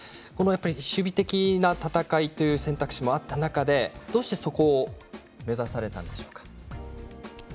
守備的な戦いという選択肢もあった中で、どうしてそこを目指されたんでしょうか。